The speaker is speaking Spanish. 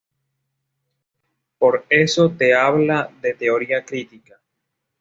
Por eso se habla de Teoría Crítica.